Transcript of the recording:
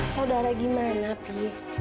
saudara gimana pi